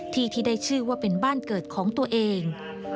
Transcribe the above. ที่ที่ได้ชื่อว่าเป็นบ้านเกิดของตัวเอง